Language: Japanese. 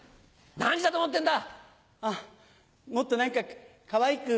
何時だと思ってんだ！